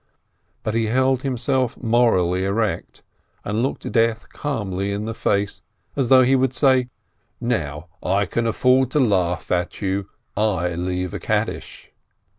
But he held himself morally erect, and looked death calmly in the face, as though he would say, "Now I can afford to laugh at you — I leave a Kaddish